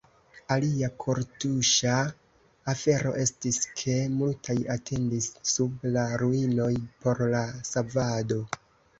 Alia kortuŝa afero estis, ke multaj atendis sub la ruinoj por la savado.